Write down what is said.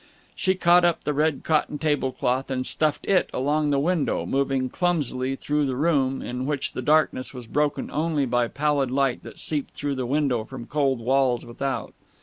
She caught up the red cotton table cloth and stuffed it along the window, moving clumsily through the room, in which the darkness was broken only by pallid light that seeped through the window from cold walls without.